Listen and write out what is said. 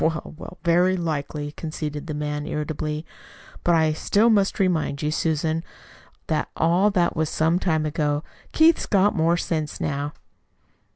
"Well, well, very likely," conceded the man irritably; "but I still must remind you, Susan, that all this was some time ago. Keith's got more sense now."